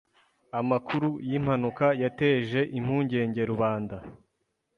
Amakuru yimpanuka yateje impungenge rubanda.